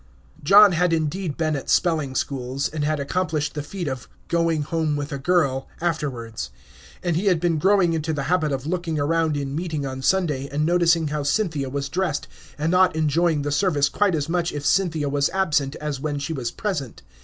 John had indeed been at spelling schools, and had accomplished the feat of "going home with a girl" afterwards; and he had been growing into the habit of looking around in meeting on Sunday, and noticing how Cynthia was dressed, and not enjoying the service quite as much if Cynthia was absent as when she was present.